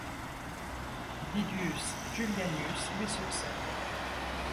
Didius Julianus lui succède.